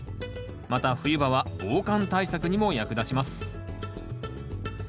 また冬場は防寒対策にも役立ちます